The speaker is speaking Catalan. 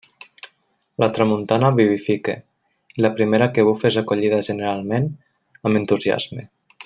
La tramuntana vivifica, i la primera que bufa és acollida generalment amb entusiasme.